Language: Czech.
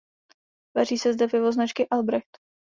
Vaří se zde pivo značky Albrecht.